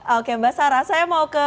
oke mbak sarah saya mau ke